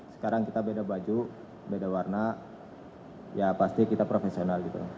sekarang kita beda baju beda warna ya pasti kita profesional gitu